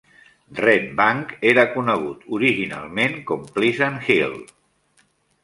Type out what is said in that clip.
Red Bank era conegut originalment com Pleasant Hill.